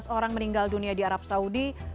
sebelas orang meninggal dunia di arab saudi